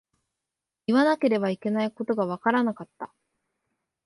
言わなければいけないことがわからなかった。